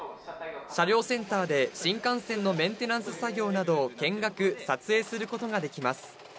車両センターで新幹線のメンテナンス作業などを見学・撮影することができます。